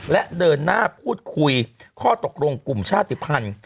และเดินหน้าพูดคุยข้อตกลงกลุ่มชาติภัณฑ์